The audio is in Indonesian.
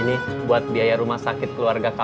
ini buat biaya rumah sakit keluarga kak